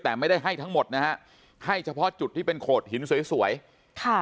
แต่ไม่ได้ให้ทั้งหมดนะฮะให้เฉพาะจุดที่เป็นโขดหินสวยสวยค่ะ